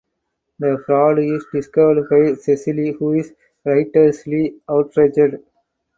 The fraud is discovered by Cecile who is righteously outraged.